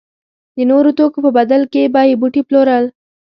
د نورو توکو په بدل کې به یې بوټي پلورل.